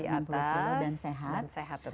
dan sehat tentu saja